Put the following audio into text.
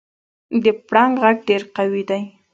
د پړانګ غږ ډېر قوي دی.